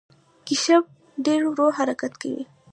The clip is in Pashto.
کیشپ ډیر ورو حرکت کوي